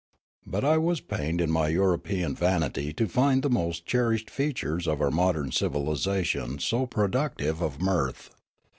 But I was pained in my European vanity to find the most cherished features of our modern civilisation so product ive of mirth.